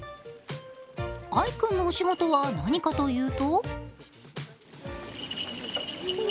藍君のお仕事は何かというと？